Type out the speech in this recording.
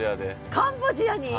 カンボジアに。